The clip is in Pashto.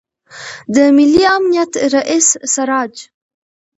د ملي امنیت رئیس سراج